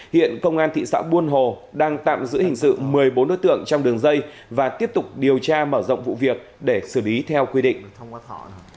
hiện công an thị xã buôn hồ đang tạm giữ hình sự một mươi bốn đối tượng trong đường dây và tiếp tục điều tra mở rộng vụ việc để xử lý theo quy định